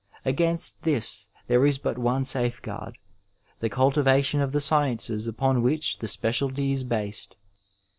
Against this there is but one safeguard — ^the cultivation of the sciences upon which the speciaUty is based.